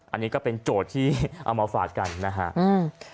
อันนี้ก็เป็นโจทย์ที่เอามาฝากกันนะครับ